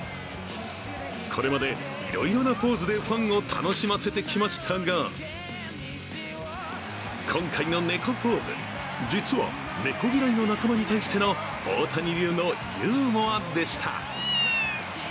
これまでいろいろなポーズでファンを楽しませてきましたが今回の猫ポーズ、実は猫嫌いの仲間に対しての大谷流のユーモアでした。